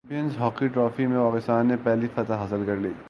champions hockey trophy میں پاکستان نے پہلی فتح حاصل کرلی